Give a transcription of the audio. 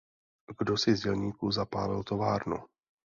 Kdosi z dělníků zapálil továrnu.